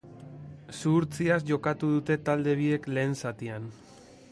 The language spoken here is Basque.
Zuhurtziaz jokatu dute talde biek lehen zatian.